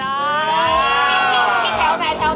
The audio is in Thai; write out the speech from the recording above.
อืม